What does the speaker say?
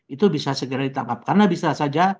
itu bisa segera ditangkap karena bisa saja